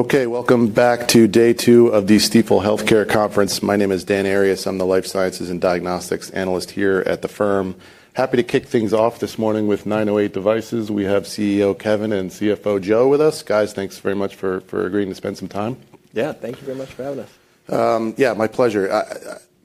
Okay, welcome back to day two of the Stifel Healthcare Conference. My name is Dan Arias. I'm the Life Sciences and Diagnostics Analyst here at the firm. Happy to kick things off this morning with 908 Devices. We have CEO Kevin and CFO Joe with us. Guys, thanks very much for agreeing to spend some time. Yeah, thank you very much for having us. Yeah, my pleasure.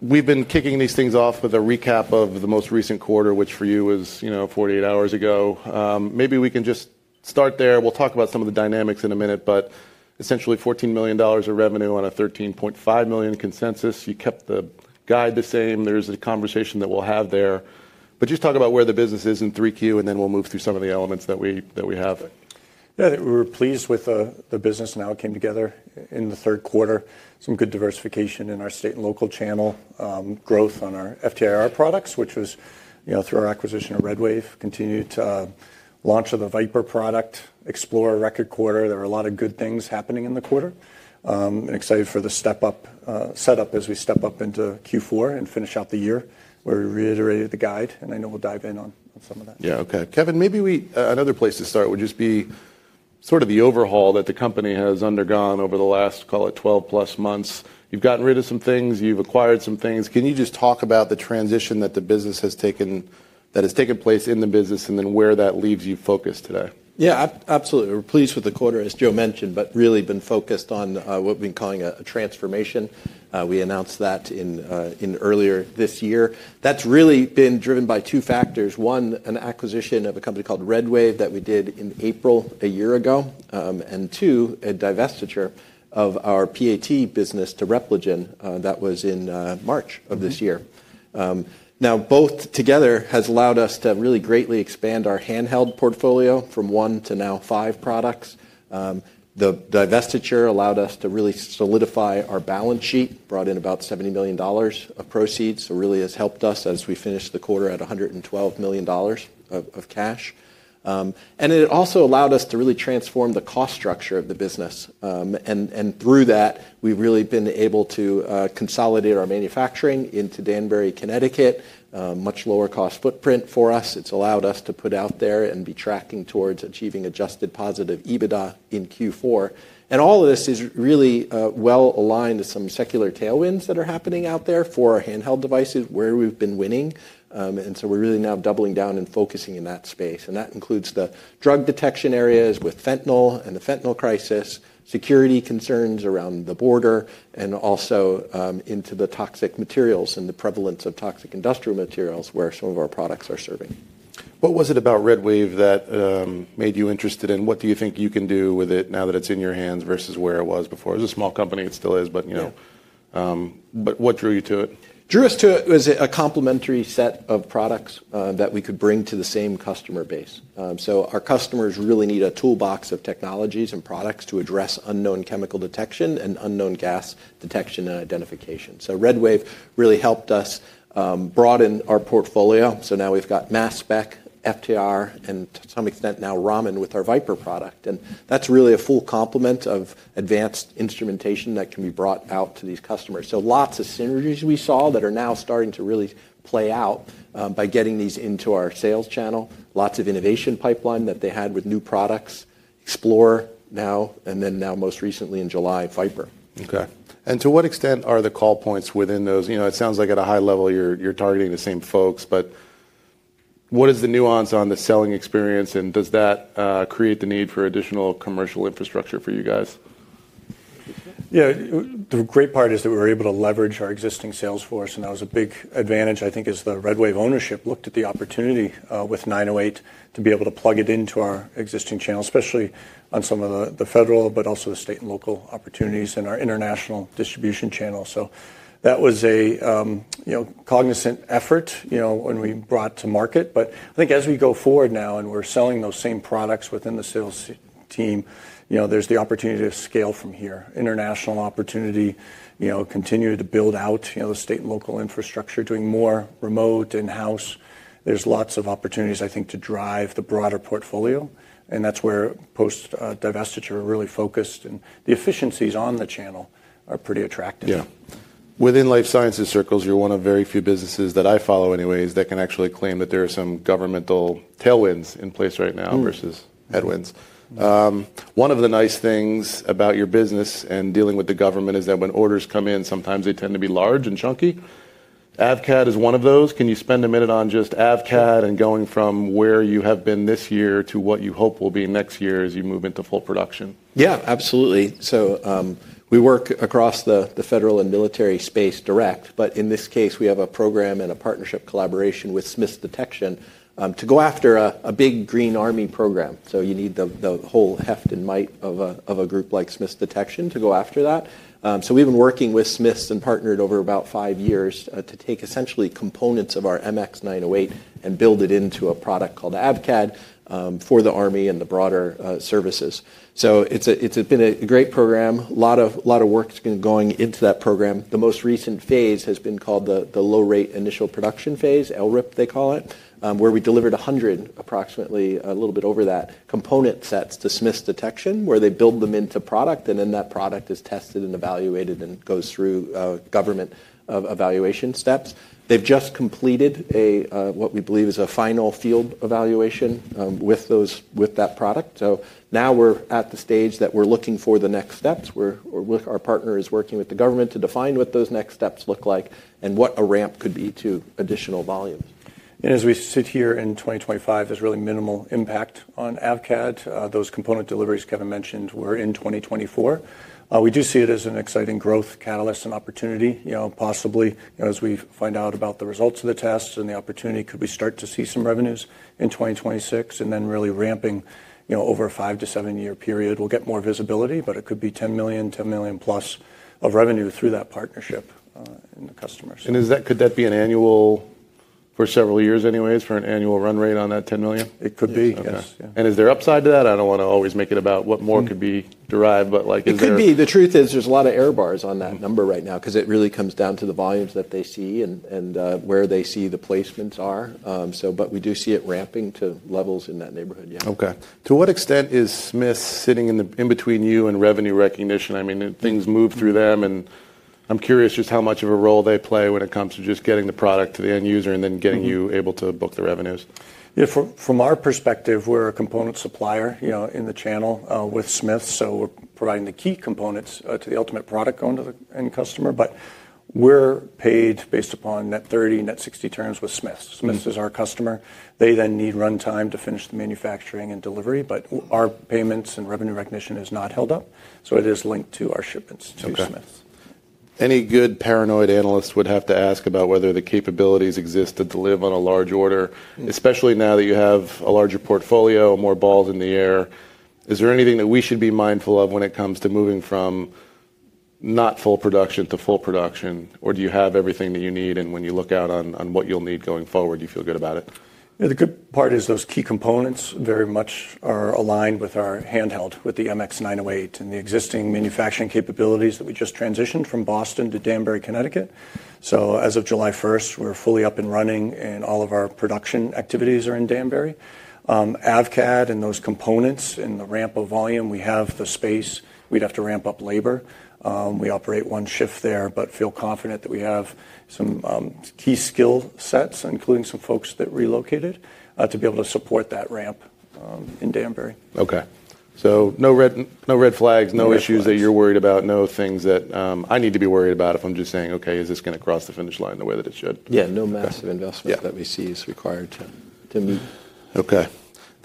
We've been kicking these things off with a recap of the most recent quarter, which for you was 48 hours ago. Maybe we can just start there. We'll talk about some of the dynamics in a minute, but essentially $14 million of revenue on a $13.5 million consensus. You kept the guide the same. There's a conversation that we'll have there. Just talk about where the business is in 3Q, and then we'll move through some of the elements that we have. Yeah, we were pleased with the business and how it came together in the third quarter. Some good diversification in our state and local channel, growth on our FTIR products, which was through our acquisition of RedWave, continued to launch the VipIR product, XplorIR record quarter. There were a lot of good things happening in the quarter. I'm excited for the step-up setup as we step up into Q4 and finish out the year where we reiterated the guide, and I know we'll dive in on some of that. Yeah, okay. Kevin, maybe another place to start would just be sort of the overhaul that the company has undergone over the last, call it, 12 plus months. You've gotten rid of some things. You've acquired some things. Can you just talk about the transition that the business has taken that has taken place in the business and then where that leaves you focused today? Yeah, absolutely. We're pleased with the quarter, as Joe mentioned, but really been focused on what we've been calling a transformation. We announced that earlier this year. That's really been driven by two factors. One, an acquisition of a company called RedWave that we did in April a year ago, and two, a divestiture of our PAT business to Repligen that was in March of this year. Now, both together have allowed us to really greatly expand our handheld portfolio from one to now five products. The divestiture allowed us to really solidify our balance sheet, brought in about $70 million of proceeds, so really has helped us as we finished the quarter at $112 million of cash. It also allowed us to really transform the cost structure of the business. Through that, we've really been able to consolidate our manufacturing into Danbury, Connecticut, much lower cost footprint for us. It's allowed us to put out there and be tracking towards achieving adjusted positive EBITDA in Q4. All of this is really well aligned to some secular tailwinds that are happening out there for our handheld devices where we've been winning. We're really now doubling down and focusing in that space. That includes the drug detection areas with fentanyl and the fentanyl crisis, security concerns around the border, and also into the toxic materials and the prevalence of toxic industrial materials where some of our products are serving. What was it about RedWave that made you interested in what do you think you can do with it now that it's in your hands versus where it was before? It was a small company. It still is, but what drew you to it? Drew us to it was a complementary set of products that we could bring to the same customer base. Our customers really need a toolbox of technologies and products to address unknown chemical detection and unknown gas detection and identification. RedWave really helped us broaden our portfolio. Now we have mass spec, FTIR, and to some extent now Raman with our VipIR product. That is really a full complement of advanced instrumentation that can be brought out to these customers. Lots of synergies we saw are now starting to really play out by getting these into our sales channel, lots of innovation pipeline that they had with new products, XplorIR now, and then now most recently in July, VipIR. Okay. To what extent are the call points within those? It sounds like at a high level you're targeting the same folks, but what is the nuance on the selling experience, and does that create the need for additional commercial infrastructure for you guys? Yeah, the great part is that we were able to leverage our existing sales force, and that was a big advantage, I think, as the RedWave ownership looked at the opportunity with 908 to be able to plug it into our existing channel, especially on some of the federal, but also the state and local opportunities in our international distribution channel. That was a cognizant effort when we brought to market. I think as we go forward now and we're selling those same products within the sales team, there's the opportunity to scale from here, international opportunity, continue to build out the state and local infrastructure, doing more remote in-house. There's lots of opportunities, I think, to drive the broader portfolio, and that's where post-divestiture are really focused, and the efficiencies on the channel are pretty attractive. Yeah. Within life sciences circles, you're one of very few businesses that I follow anyways that can actually claim that there are some governmental tailwinds in place right now versus headwinds. One of the nice things about your business and dealing with the government is that when orders come in, sometimes they tend to be large and chunky. AVCAD is one of those. Can you spend a minute on just AVCAD and going from where you have been this year to what you hope will be next year as you move into full production? Yeah, absolutely. We work across the federal and military space direct, but in this case, we have a program and a partnership collaboration with Smiths Detection to go after a big Green Army program. You need the whole heft and might of a group like Smith's Detection to go after that. We have been working with Smith's and partnered over about five years to take essentially components of our MX908 and build it into a product called AVCAD for the Army and the broader services. It has been a great program. A lot of work's been going into that program. The most recent phase has been called the low-rate initial production phase, LRIP they call it, where we delivered 100, approximately a little bit over that, component sets to Smiths Detection, where they build them into product, and then that product is tested and evaluated and goes through government evaluation steps. They've just completed what we believe is a final field evaluation with that product. Now we're at the stage that we're looking for the next steps, where our partner is working with the government to define what those next steps look like and what a ramp could be to additional volumes. As we sit here in 2025, there's really minimal impact on AVCAD. Those component deliveries, Kevin mentioned, were in 2024. We do see it as an exciting growth catalyst and opportunity. Possibly, as we find out about the results of the tests and the opportunity, could we start to see some revenues in 2026 and then really ramping over a five-year to seven-year period? We'll get more visibility, but it could be $10 million, $10 million plus of revenue through that partnership and the customers. Could that be an annual for several years anyways for an annual run rate on that $10 million? It could be, yes. Is there upside to that? I don't want to always make it about what more could be derived, but is there? It could be. The truth is there's a lot of air bars on that number right now because it really comes down to the volumes that they see and where they see the placements are. We do see it ramping to levels in that neighborhood, yeah. Okay. To what extent is Smiths sitting in between you and revenue recognition? I mean, things move through them, and I'm curious just how much of a role they play when it comes to just getting the product to the end user and then getting you able to book the revenues. Yeah, from our perspective, we're a component supplier in the channel with Smiths, so we're providing the key components to the ultimate product going to the end customer. We're paid based upon net 30, net 60 terms with Smiths. Smiths is our customer. They then need runtime to finish the manufacturing and delivery, but our payments and revenue recognition is not held up, so it is linked to our shipments to Smiths. Any good paranoid analyst would have to ask about whether the capabilities exist to deliver on a large order, especially now that you have a larger portfolio, more balls in the air. Is there anything that we should be mindful of when it comes to moving from not full production to full production, or do you have everything that you need? When you look out on what you'll need going forward, do you feel good about it? The good part is those key components very much are aligned with our handheld with the MX908 and the existing manufacturing capabilities that we just transitioned from Boston to Danbury, Connecticut. As of July 1st, we're fully up and running, and all of our production activities are in Danbury. AVCAD and those components and the ramp of volume, we have the space. We'd have to ramp up labor. We operate one shift there, but feel confident that we have some key skill sets, including some folks that relocated, to be able to support that ramp in Danbury. Okay. So no red flags, no issues that you're worried about, no things that I need to be worried about if I'm just saying, "Okay, is this going to cross the finish line the way that it should? Yeah, no massive investment that we see is required to meet. Okay.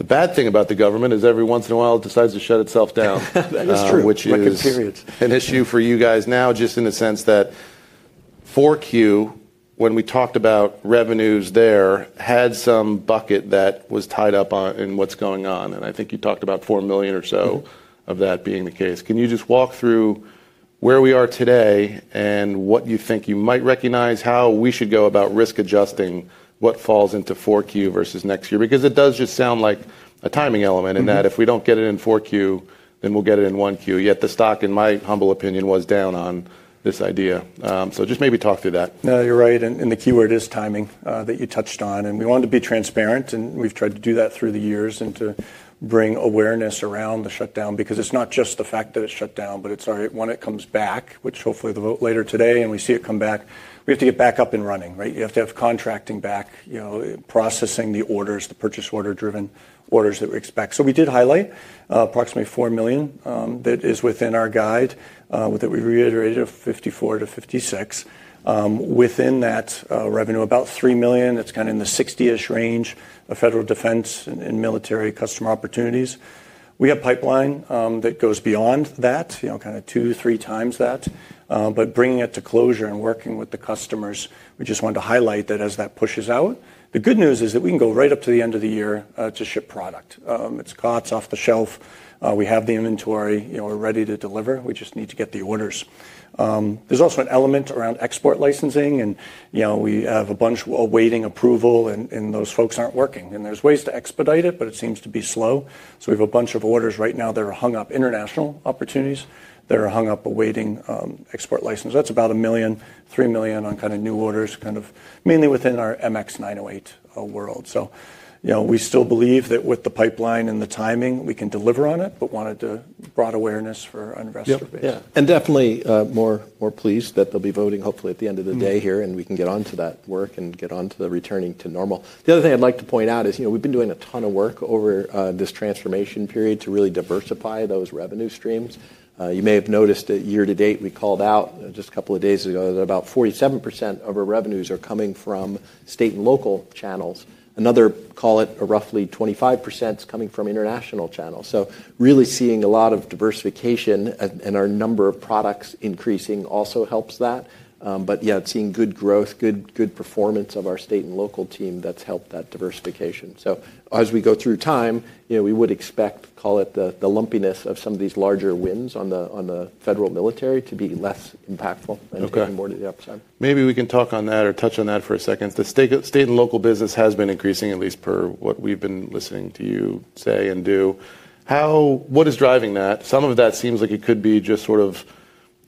The bad thing about the government is every once in a while it decides to shut itself down. That is true. Which is an issue for you guys now, just in the sense that 4Q, when we talked about revenues there, had some bucket that was tied up in what's going on. I think you talked about $4 million or so of that being the case. Can you just walk through where we are today and what you think you might recognize, how we should go about risk adjusting what falls into 4Q versus next year? It does just sound like a timing element in that if we don't get it in 4Q, then we'll get it in 1Q. Yet the stock, in my humble opinion, was down on this idea. Just maybe talk through that. No, you're right. The keyword is timing that you touched on. We wanted to be transparent, and we've tried to do that through the years to bring awareness around the shutdown because it's not just the fact that it's shut down, but it's when it comes back, which hopefully the vote later today and we see it come back, we have to get back up and running, right? You have to have contracting back, processing the orders, the purchase order-driven orders that we expect. We did highlight approximately $4 million that is within our guide that we reiterated of $54 million-$56 million. Within that revenue, about $3 million, it's kind of in the 60% range of federal defense and military customer opportunities. We have pipeline that goes beyond that, kind of two, three times that. Bringing it to closure and working with the customers, we just wanted to highlight that as that pushes out. The good news is that we can go right up to the end of the year to ship product. It is cuts, off the shelf. We have the inventory. We're ready to deliver. We just need to get the orders. There's also an element around export licensing, and we have a bunch waiting approval, and those folks aren't working. There are ways to expedite it, but it seems to be slow. We have a bunch of orders right now that are hung up, international opportunities that are hung up awaiting export license. That is about $1 million-$3 million on kind of new orders, kind of mainly within our MX908 world. We still believe that with the pipeline and the timing, we can deliver on it, but wanted to bring awareness for our investor base. Yeah. Definitely more pleased that they'll be voting hopefully at the end of the day here, and we can get on to that work and get on to returning to normal. The other thing I'd like to point out is we've been doing a ton of work over this transformation period to really diversify those revenue streams. You may have noticed that year to date, we called out just a couple of days ago that about 47% of our revenues are coming from state and local channels. Another, call it, roughly 25% is coming from international channels. Really seeing a lot of diversification and our number of products increasing also helps that. Yeah, seeing good growth, good performance of our state and local team, that's helped that diversification. As we go through time, we would expect, call it the lumpiness of some of these larger wins on the federal military to be less impactful and getting more to the upside. Maybe we can talk on that or touch on that for a second. The state and local business has been increasing, at least per what we've been listening to you say and do. What is driving that? Some of that seems like it could be just sort of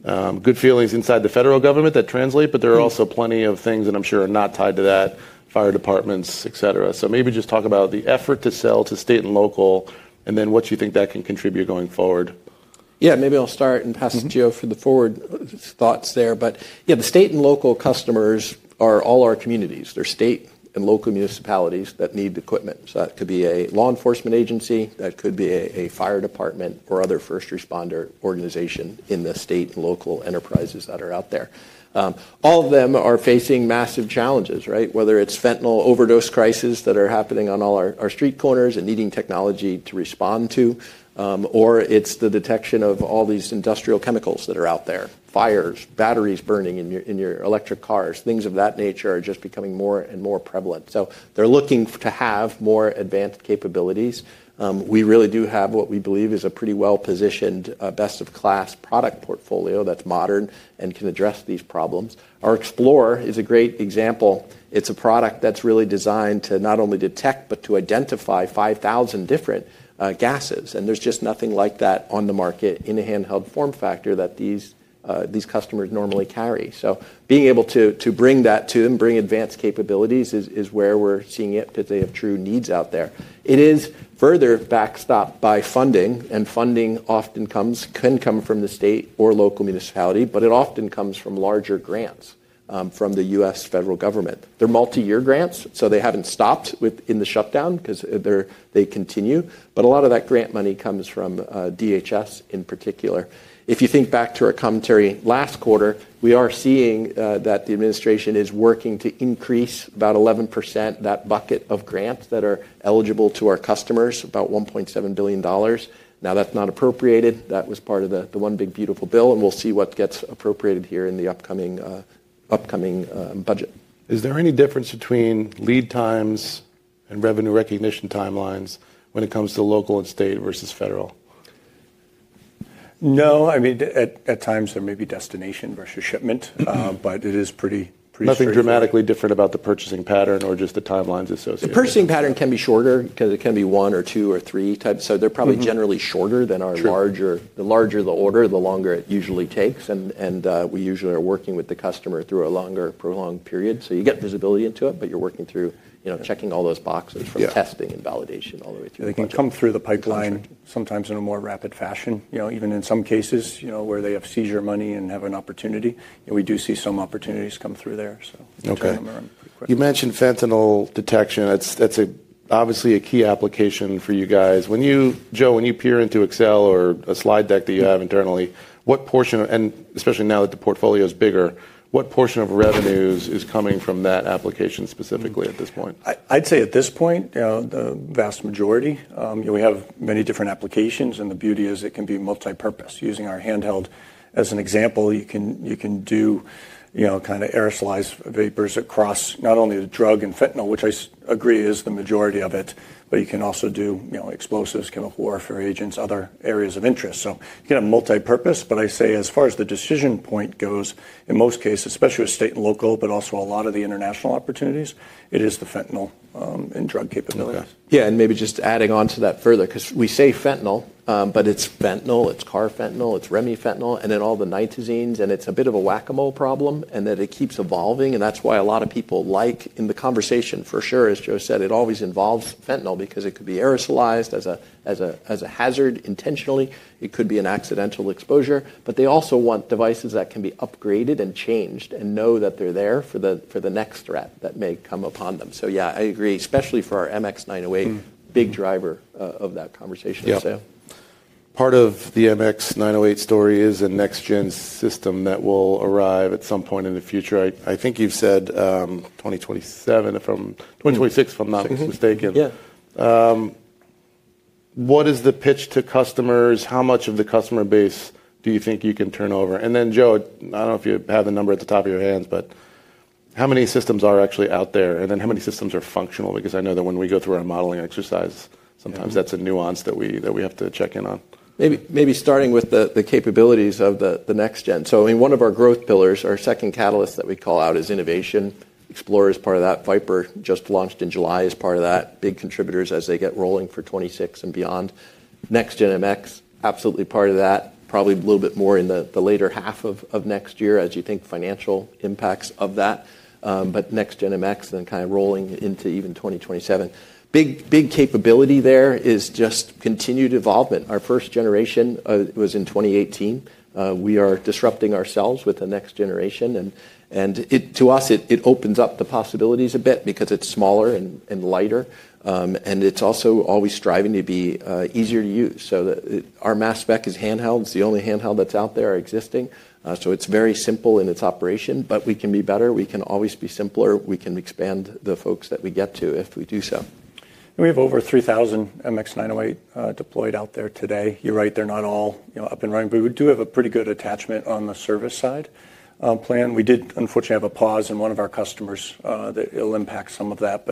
good feelings inside the federal government that translate, but there are also plenty of things that I'm sure are not tied to that, fire departments, etc. Maybe just talk about the effort to sell to state and local and then what you think that can contribute going forward. Yeah, maybe I'll start and pass it to Joe for the forward thoughts there. Yeah, the state and local customers are all our communities. They're state and local municipalities that need equipment. That could be a law enforcement agency, that could be a fire department or other first responder organization in the state and local enterprises that are out there. All of them are facing massive challenges, right? Whether it's fentanyl overdose crises that are happening on all our street corners and needing technology to respond to, or it's the detection of all these industrial chemicals that are out there, fires, batteries burning in your electric cars, things of that nature are just becoming more and more prevalent. They're looking to have more advanced capabilities. We really do have what we believe is a pretty well-positioned, best of class product portfolio that's modern and can address these problems. Our XplorIR is a great example. It's a product that's really designed to not only detect, but to identify 5,000 different gases. There's just nothing like that on the market in a handheld form factor that these customers normally carry. Being able to bring that to them, bring advanced capabilities is where we're seeing it because they have true needs out there. It is further backstopped by funding, and funding often can come from the state or local municipality, but it often comes from larger grants from the U.S. federal government. They're multi-year grants, so they haven't stopped in the shutdown because they continue, but a lot of that grant money comes from DHS in particular. If you think back to our commentary last quarter, we are seeing that the administration is working to increase about 11% that bucket of grants that are eligible to our customers, about $1.7 billion. Now that's not appropriated. That was part of the one big beautiful bill, and we'll see what gets appropriated here in the upcoming budget. Is there any difference between lead times and revenue recognition timelines when it comes to local and state versus federal? No. I mean, at times there may be destination versus shipment, but it is pretty short. Nothing dramatically different about the purchasing pattern or just the timelines associated? The purchasing pattern can be shorter because it can be one or two or three types. They're probably generally shorter than our larger. The larger the order, the longer it usually takes, and we usually are working with the customer through a longer, prolonged period. You get visibility into it, but you're working through checking all those boxes from testing and validation all the way through. It can come through the pipeline sometimes in a more rapid fashion, even in some cases where they have seizure money and have an opportunity. We do see some opportunities come through there, so some of them are in pretty quick. You mentioned fentanyl detection. That is obviously a key application for you guys. Joe, when you peer into Excel or a slide deck that you have internally, what portion, and especially now that the portfolio is bigger, what portion of revenues is coming from that application specifically at this point? I'd say at this point, the vast majority. We have many different applications, and the beauty is it can be multipurpose. Using our handheld, as an example, you can do kind of aerosolized vapors across not only the drug and fentanyl, which I agree is the majority of it, but you can also do explosives, chemical warfare agents, other areas of interest. You can have multipurpose, but I say as far as the decision point goes, in most cases, especially with state and local, but also a lot of the international opportunities, it is the fentanyl and drug capabilities. Yeah, and maybe just adding on to that further because we say fentanyl, but it's fentanyl, it's carfentanil, it's remifentanil, and then all the nitazenes and it's a bit of a whack-a-mole problem in that it keeps evolving. That's why a lot of people, like in the conversation, for sure, as Joe said, it always involves fentanyl because it could be aerosolized as a hazard intentionally. It could be an accidental exposure, but they also want devices that can be upgraded and changed and know that they're there for the next threat that may come upon them. Yeah, I agree, especially for our MX908, big driver of that conversation, I'll say. Part of the MX908 story is a next-gen system that will arrive at some point in the future. I think you've said 2026, if I'm not mistaken. What is the pitch to customers? How much of the customer base do you think you can turn over? Joe, I don't know if you have the number at the top of your hands, but how many systems are actually out there? How many systems are functional? I know that when we go through our modeling exercise, sometimes that's a nuance that we have to check in on. Maybe starting with the capabilities of the next gen. I mean, one of our growth pillars, our second catalyst that we call out is innovation. XplorIR is part of that. VipIR just launched in July as part of that. Big contributors as they get rolling for 2026 and beyond. Next Gen MX, absolutely part of that. Probably a little bit more in the later half of next year as you think financial impacts of that. Next-gen MX then kind of rolling into even 2027. Big capability there is just continued evolvement. Our first generation was in 2018. We are disrupting ourselves with the next generation. To us, it opens up the possibilities a bit because it's smaller and lighter. It's also always striving to be easier to use. Our mass spec is handheld. It's the only handheld that's out there existing. It's very simple in its operation, but we can be better. We can always be simpler. We can expand the folks that we get to if we do so. We have over 3,000 MX908 deployed out there today. You're right, they're not all up and running, but we do have a pretty good attachment on the service side plan. We did unfortunately have a pause in one of our customers that will impact some of that.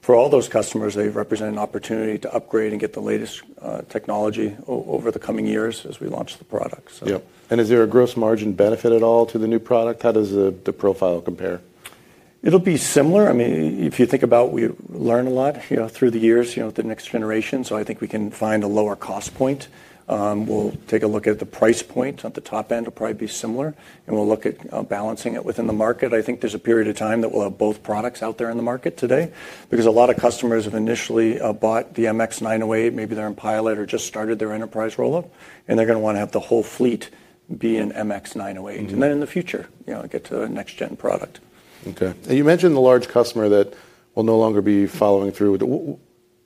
For all those customers, they represent an opportunity to upgrade and get the latest technology over the coming years as we launch the product. Is there a gross margin benefit at all to the new product? How does the profile compare? It'll be similar. I mean, if you think about, we learn a lot through the years with the next generation. So I think we can find a lower cost point. We'll take a look at the price point at the top end will probably be similar. We'll look at balancing it within the market. I think there's a period of time that we'll have both products out there in the market today because a lot of customers have initially bought the MX908. Maybe they're in pilot or just started their enterprise roll-up, and they're going to want to have the whole fleet be an MX908. In the future, get to the next-gen product. Okay. You mentioned the large customer that will no longer be following through.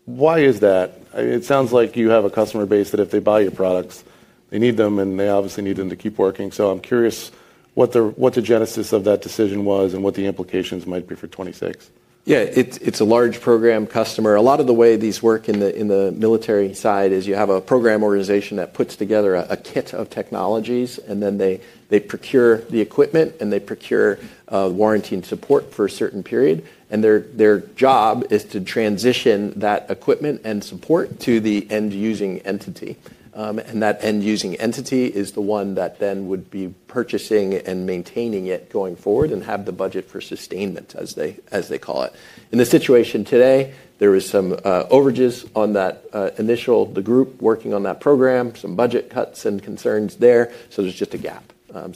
Why is that? It sounds like you have a customer base that if they buy your products, they need them, and they obviously need them to keep working. I'm curious what the genesis of that decision was and what the implications might be for 2026. Yeah, it's a large program customer. A lot of the way these work in the military side is you have a program organization that puts together a kit of technologies, and then they procure the equipment, and they procure warranty and support for a certain period. Their job is to transition that equipment and support to the end-using entity. That end-using entity is the one that then would be purchasing and maintaining it going forward and have the budget for sustainment, as they call it. In the situation today, there were some overages on that initial, the group working on that program, some budget cuts and concerns there. There's just a gap.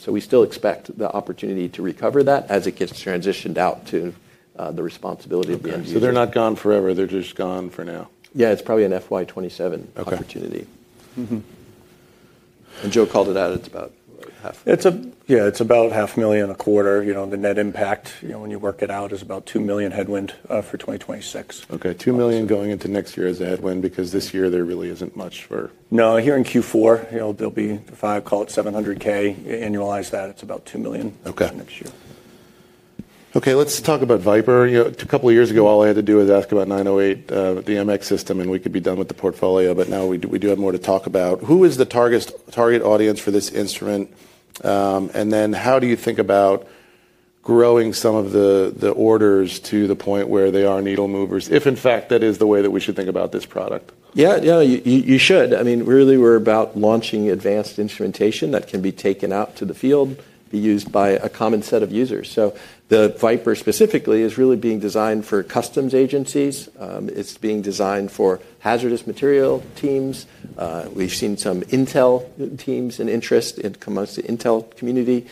We still expect the opportunity to recover that as it gets transitioned out to the responsibility of the end-user. They're not gone forever. They're just gone for now. Yeah, it's probably an FY 2027 opportunity. Joe called it out. It's about half. Yeah, it's about $500,000 a quarter. The net impact, when you work it out, is about $2 million headwind for 2026. Okay. $2 million going into next year as a headwind because this year there really isn't much for. No. Here in Q4, there'll be five, call it $700,000. Annualize that. It's about $2 million next year. Okay. Let's talk about VipIR. A couple of years ago, all I had to do was ask about 908, the MX system, and we could be done with the portfolio. Now we do have more to talk about. Who is the target audience for this instrument? How do you think about growing some of the orders to the point where they are needle movers, if in fact that is the way that we should think about this product? Yeah, yeah, you should. I mean, really, we're about launching advanced instrumentation that can be taken out to the field, be used by a common set of users. The VipIR specifically is really being designed for customs agencies. It's being designed for hazardous material teams. We've seen some intel teams and interest in the intel community.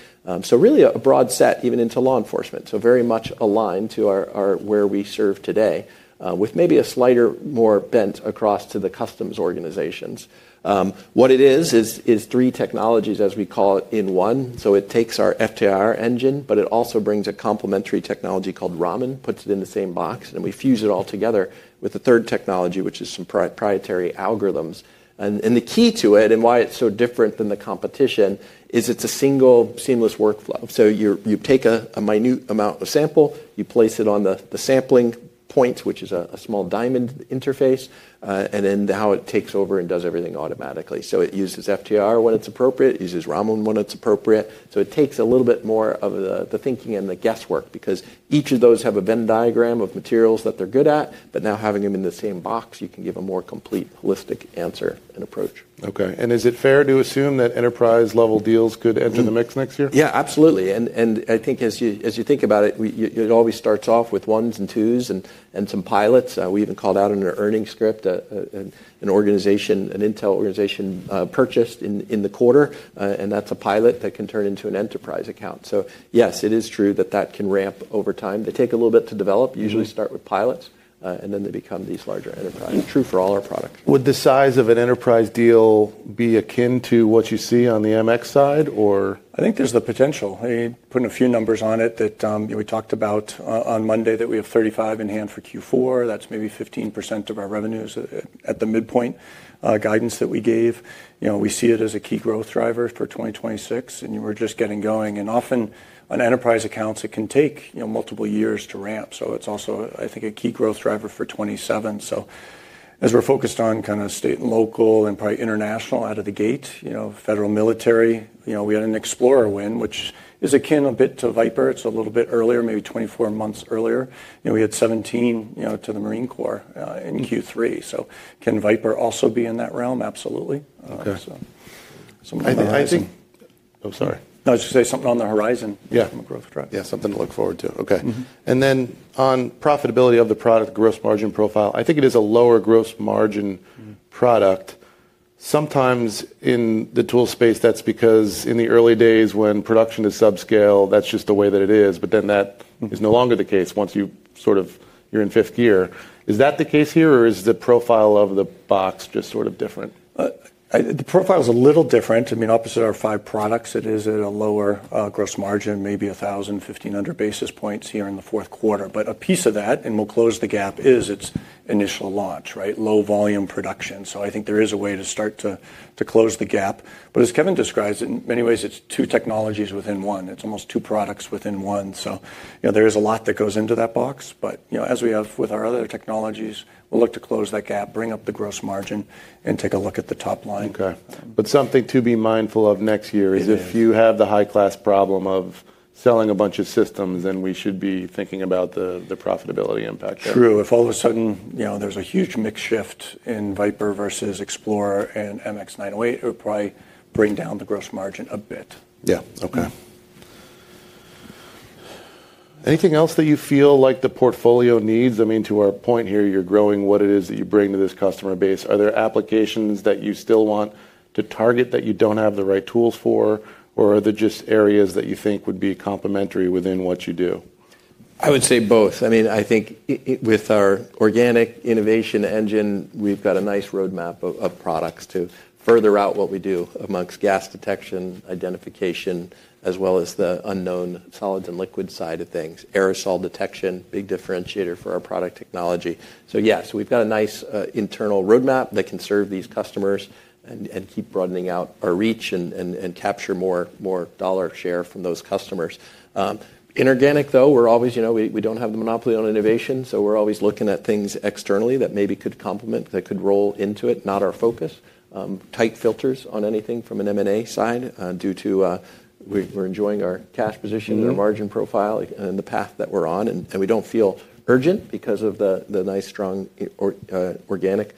Really a broad set, even into law enforcement. Very much aligned to where we serve today, with maybe a slighter more bent across to the customs organizations. What it is, is three technologies, as we call it, in one. It takes our FTIR engine, but it also brings a complementary technology called Raman, puts it in the same box, and we fuse it all together with a third technology, which is some proprietary algorithms. The key to it and why it's so different than the competition is it's a single seamless workflow. You take a minute amount of sample, you place it on the sampling point, which is a small diamond interface, and then how it takes over and does everything automatically. It uses FTIR when it's appropriate. It uses Raman when it's appropriate. It takes a little bit more of the thinking and the guesswork because each of those have a Venn diagram of materials that they're good at, but now having them in the same box, you can give a more complete, holistic answer and approach. Okay. Is it fair to assume that enterprise-level deals could enter the mix next year? Yeah, absolutely. I think as you think about it, it always starts off with ones and twos and some pilots. We even called out in our earnings script an intel organization purchased in the quarter, and that's a pilot that can turn into an enterprise account. Yes, it is true that that can ramp over time. They take a little bit to develop, usually start with pilots, and then they become these larger enterprises. True for all our products. Would the size of an enterprise deal be akin to what you see on the MX side, or? I think there's the potential. I mean, putting a few numbers on it that we talked about on Monday that we have 35 in hand for Q4. That's maybe 15% of our revenues at the midpoint guidance that we gave. We see it as a key growth driver for 2026, and we're just getting going. Often on enterprise accounts, it can take multiple years to ramp. It is also, I think, a key growth driver for 2027. As we're focused on kind of state and local and probably international out of the gate, federal military, we had an XplorIR win, which is akin a bit to VipIR. It's a little bit earlier, maybe 24 months earlier. We had 17 to the Marine Corps in Q3. Can VipIR also be in that realm? Absolutely. Okay. I think. Oh, sorry. No, I was going to say something on the horizon from a growth drive. Yeah, something to look forward to. Okay. And then on profitability of the product, gross margin profile, I think it is a lower gross margin product. Sometimes in the tool space, that's because in the early days when production is subscale, that's just the way that it is. But then that is no longer the case once you sort of you're in fifth gear. Is that the case here, or is the profile of the box just sort of different? The profile is a little different. I mean, opposite our five products, it is at a lower gross margin, maybe 1,000-1,500 basis points here in the fourth quarter. A piece of that, and we'll close the gap, is its initial launch, right? Low volume production. I think there is a way to start to close the gap. As Kevin describes, in many ways, it's two technologies within one. It's almost two products within one. There is a lot that goes into that box. As we have with our other technologies, we'll look to close that gap, bring up the gross margin, and take a look at the top line. Okay. Something to be mindful of next year is if you have the high-class problem of selling a bunch of systems, then we should be thinking about the profitability impact. True. If all of a sudden there's a huge mix shift in VipIR versus XplorIR and MX908, it would probably bring down the gross margin a bit. Yeah. Okay. Anything else that you feel like the portfolio needs? I mean, to our point here, you're growing what it is that you bring to this customer base. Are there applications that you still want to target that you don't have the right tools for, or are there just areas that you think would be complementary within what you do? I would say both. I mean, I think with our organic innovation engine, we've got a nice roadmap of products to further out what we do amongst gas detection, identification, as well as the unknown solids and liquid side of things. Aerosol detection, big differentiator for our product technology. Yes, we've got a nice internal roadmap that can serve these customers and keep broadening out our reach and capture more dollar share from those customers. Inorganic, though, we don't have the monopoly on innovation, so we're always looking at things externally that maybe could complement, that could roll into it, not our focus. Tight filters on anything from an M&A side due to we're enjoying our cash position, our margin profile and the path that we're on. We do not feel urgent because of the nice, strong organic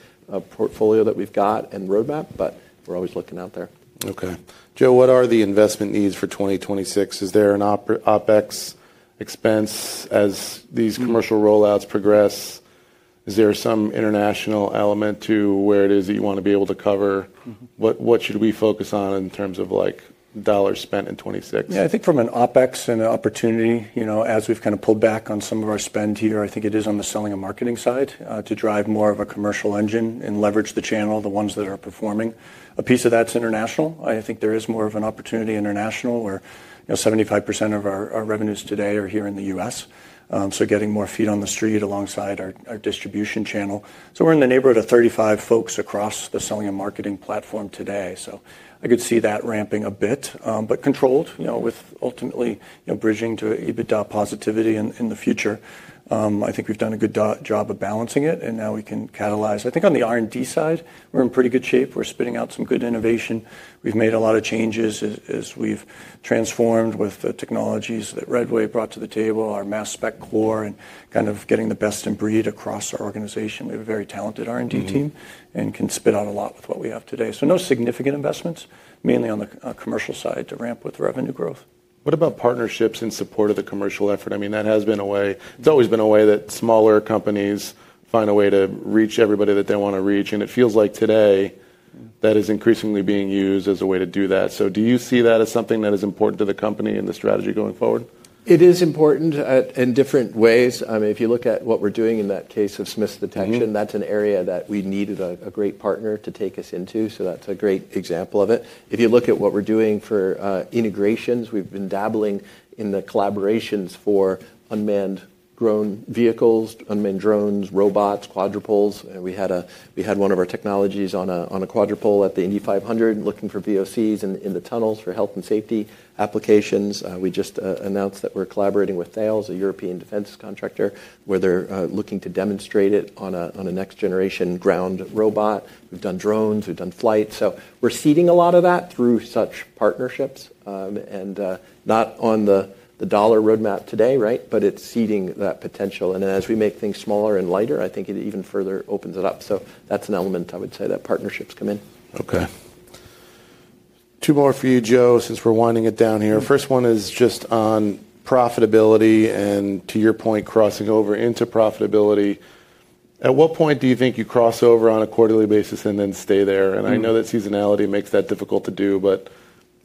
portfolio that we have got and roadmap, but we are always looking out there. Okay. Joe, what are the investment needs for 2026? Is there an OpEx expense as these commercial rollouts progress? Is there some international element to where it is that you want to be able to cover? What should we focus on in terms of dollars spent in 2026? Yeah, I think from an OpEx and an opportunity, as we've kind of pulled back on some of our spend here, I think it is on the selling and marketing side to drive more of a commercial engine and leverage the channel, the ones that are performing. A piece of that's international. I think there is more of an opportunity international where 75% of our revenues today are here in the U.S. Getting more feet on the street alongside our distribution channel. We're in the neighborhood of 35 folks across the selling and marketing platform today. I could see that ramping a bit, but controlled with ultimately bridging to EBITDA positivity in the future. I think we've done a good job of balancing it, and now we can catalyze. I think on the R&D side, we're in pretty good shape. We're spitting out some good innovation. We've made a lot of changes as we've transformed with the technologies that RedWave brought to the table, our mass spec core and kind of getting the best in breed across our organization. We have a very talented R&D team and can spit out a lot with what we have today. No significant investments, mainly on the commercial side to ramp with revenue growth. What about partnerships in support of the commercial effort? I mean, that has been a way, it's always been a way that smaller companies find a way to reach everybody that they want to reach. It feels like today that is increasingly being used as a way to do that. Do you see that as something that is important to the company and the strategy going forward? It is important in different ways. I mean, if you look at what we're doing in that case of Smiths Detection, that's an area that we needed a great partner to take us into. So that's a great example of it. If you look at what we're doing for integrations, we've been dabbling in the collaborations for unmanned drone vehicles, unmanned drones, robots, quadrupeds. We had one of our technologies on a quadruped at the Indy 500 looking for VOCs in the tunnels for health and safety applications. We just announced that we're collaborating with Thales, a European defense contractor, where they're looking to demonstrate it on a next-generation ground robot. We've done drones. We've done flights. So we're seeding a lot of that through such partnerships and not on the dollar roadmap today, right? But it's seeding that potential. As we make things smaller and lighter, I think it even further opens it up. That is an element, I would say, that partnerships come in. Okay. Two more for you, Joe, since we're winding it down here. First one is just on profitability and to your point, crossing over into profitability. At what point do you think you cross over on a quarterly basis and then stay there? I know that seasonality makes that difficult to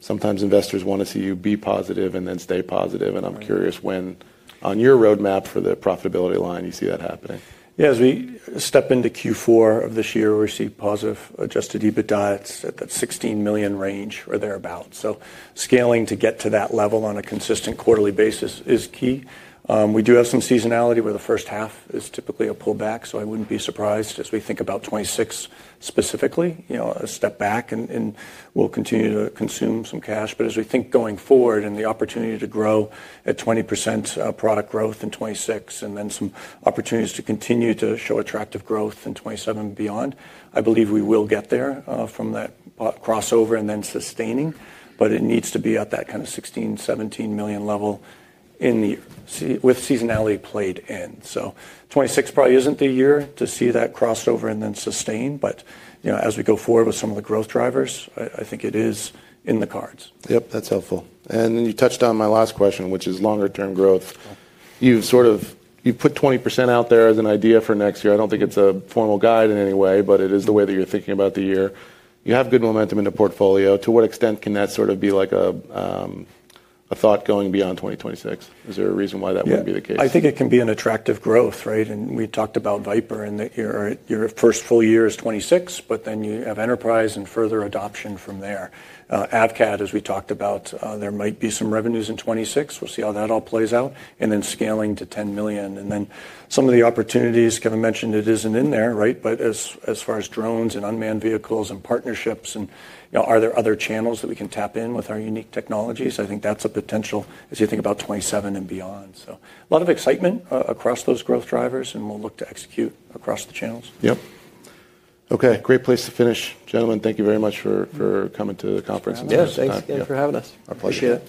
do, but sometimes investors want to see you be positive and then stay positive. I'm curious when on your roadmap for the profitability line, you see that happening. Yeah, as we step into Q4 of this year, we see positive adjusted EBITDA at that $16 million range or thereabout. Scaling to get to that level on a consistent quarterly basis is key. We do have some seasonality where the first half is typically a pullback. I would not be surprised as we think about 2026 specifically, a step back, and we will continue to consume some cash. As we think going forward and the opportunity to grow at 20% product growth in 2026 and then some opportunities to continue to show attractive growth in 2027 and beyond, I believe we will get there from that crossover and then sustaining. It needs to be at that kind of $16 million-$17 million level with seasonality played in. 2026 probably is not the year to see that crossover and then sustain. As we go forward with some of the growth drivers, I think it is in the cards. Yep, that's helpful. You touched on my last question, which is longer-term growth. You've put 20% out there as an idea for next year. I don't think it's a formal guide in any way, but it is the way that you're thinking about the year. You have good momentum in the portfolio. To what extent can that sort of be like a thought going beyond 2026? Is there a reason why that wouldn't be the case? I think it can be an attractive growth, right? And we talked about VipIR and that your first full year is 2026, but then you have enterprise and further adoption from there. AVCAD, as we talked about, there might be some revenues in 2026. We'll see how that all plays out. And then scaling to $10 million. And then some of the opportunities, Kevin mentioned it isn't in there, right? But as far as drones and unmanned vehicles and partnerships, and are there other channels that we can tap in with our unique technologies? I think that's a potential as you think about 2027 and beyond. So a lot of excitement across those growth drivers, and we'll look to execute across the channels. Yep. Okay. Great place to finish. Gentlemen, thank you very much for coming to the conference. Yeah, thanks again for having us. Our pleasure.